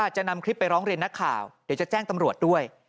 จะนำคลิปไปร้องเรียนนักข่าวเดี๋ยวจะแจ้งตำรวจด้วย